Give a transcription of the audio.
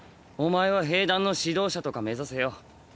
⁉お前は兵団の指導者とか目指せよ。